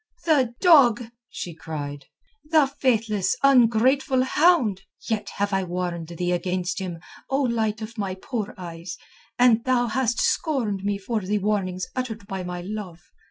"The dog!" she cried. "The faithless, ungrateful hound! Yet have I warned thee against him, O light of my poor eyes, and thou hast scorned me for the warnings uttered by my love.